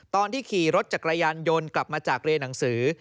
ตอนที่ขี่รถจักรยานยนต์กลับมาจากเรียนหนังสือ